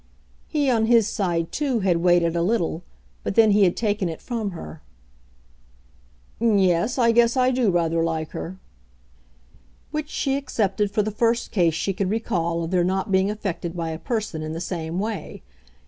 He on his side too had waited a little, but then he had taken it from her. "Yes, I guess I do rather like her." Which she accepted for the first case she could recall of their not being affected by a person in the same way.